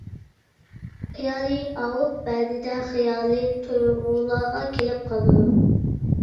خىيالى ئاۋۇپ، بەزىدە خىيالىي تۇيغۇلارغا كېلىپ قالىدۇ.